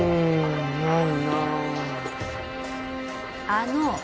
あの！